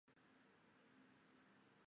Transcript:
无言通是中国唐朝的一位禅宗僧人。